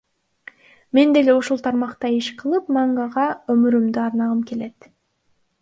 Мен деле ушул тармакта иш кылып, мангага өмүрүмдү арнагым келет.